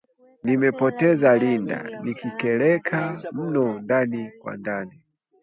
"Nimepoteza Linda!" Nilikereka mno ndani kwa ndani